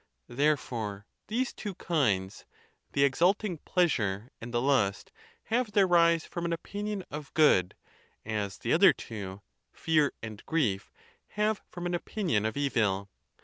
Therefore these two kinds, the exulting pleasure and the lust, have their rise from an opinion of good, as 102 THE TUSCULAN DISPUTATIONS. the other two, fear and grief, have from an opinion of evil.